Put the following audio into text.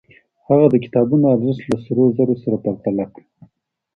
هغه د کتابونو ارزښت له سرو زرو سره پرتله کړ.